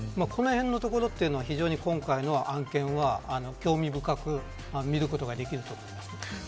このへんのところ、今回の案件は興味深く見ることができると思います。